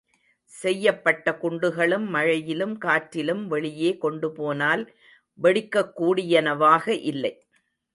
செய்யபட்ட குண்டுகளும் மழையிலும் காற்றிலும் வெளியே கொண்டுபோனால் வெடிக்கக்கூடியனவாக இல்லை.